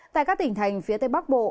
tại các tỉnh thành phía tây bắc bộ